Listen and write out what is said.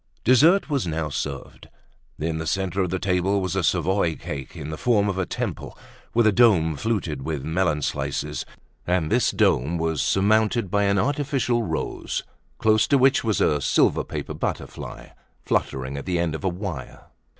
Dessert was now served. In the centre of the table was a Savoy cake in the form of a temple, with a dome fluted with melon slices; and this dome was surmounted by an artificial rose, close to which was a silver paper butterfly, fluttering at the end of a wire.